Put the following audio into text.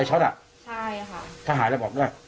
ใช่ค่ะ